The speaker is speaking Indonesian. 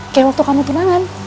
kayak waktu kamu tunangan